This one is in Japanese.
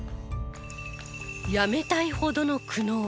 やめたいほどの苦悩